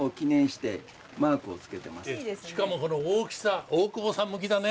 しかもこの大きさ大久保さん向きだね。